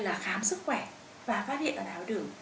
là khám sức khỏe và phát hiện tài thao đường